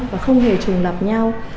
và không hề trùng lập nhau